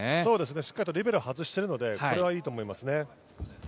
しっかりリベロを外しているのでいいと思いますね。